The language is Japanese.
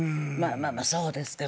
まあそうですけど。